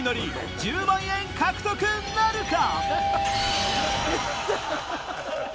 １０万円獲得なるか⁉